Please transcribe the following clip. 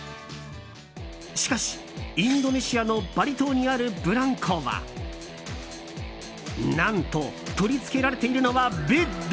しかし、インドネシアのバリ島にあるブランコは何と、取り付けられているのはベッド。